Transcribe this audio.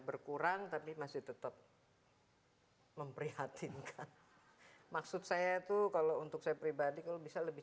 berkurang tapi masih tetap memprihatinkan maksud saya tuh kalau untuk saya pribadi kalau bisa lebih